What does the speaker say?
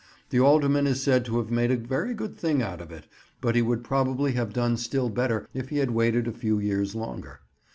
The Alderman is said to have made a very good thing out of it, but he would probably have done still better if he had waited a few years longer.